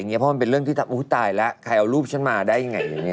เพราะมันเป็นเรื่องที่ทำอุ๊ยตายแล้วใครเอารูปฉันมาได้อย่างนี้